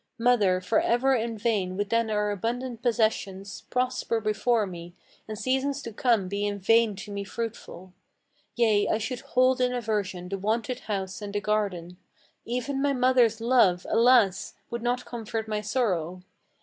Mother, for ever in vain would then our abundant possessions Prosper before me, and seasons to come be in vain to me fruitful. Yea, I should hold in aversion the wonted house and the garden: Even my mother's love, alas! would not comfort my sorrow.